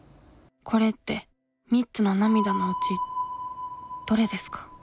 これって３つの涙のうちどれですか？